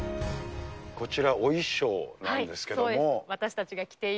こちら、お衣装なんですけども。